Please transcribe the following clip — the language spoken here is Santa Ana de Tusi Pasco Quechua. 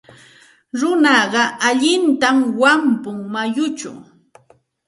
Runaqa allintam wampun mayuchaw.